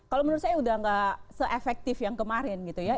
kalau menurut saya udah gak se efektif yang kemarin gitu ya